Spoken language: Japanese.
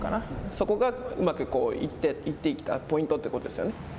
そこがうまくいってきたポイントということですね。